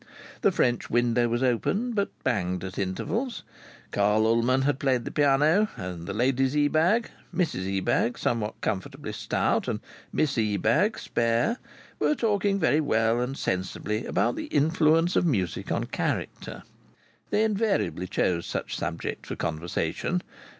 The French window was open, but banged to at intervals. Carl Ullman had played the piano and the ladies Ebag Mrs Ebag, somewhat comfortably stout and Miss Ebag spare were talking very well and sensibly about the influence of music on character. They invariably chose such subjects for conversation.